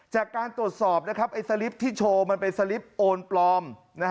จากการตรวจสอบสลิปที่โชว์มันเป็นสลิปโอนปลอม